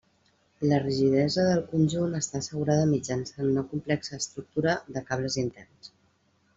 La rigidesa del conjunt està assegurada mitjançant una complexa estructura de cables interns.